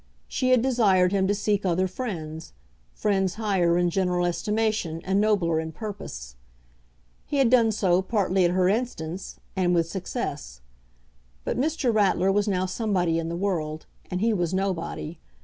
She had desired him to seek other friends, friends higher in general estimation, and nobler in purpose. He had done so, partly at her instance, and with success. But Mr. Ratler was now somebody in the world, and he was nobody.